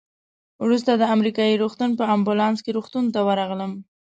وروسته د امریکایي روغتون په امبولانس کې روغتون ته ورغلم.